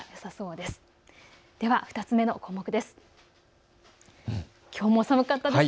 では２つ目の項目です。